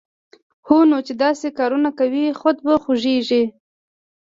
هونو چې داسې کارونه کوی، خود به خوږېږې